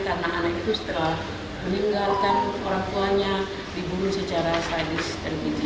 karena anak itu setelah meninggalkan orang tuanya dibunuh secara sadis dan biji